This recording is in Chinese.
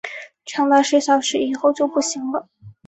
长达十小时以后就不行了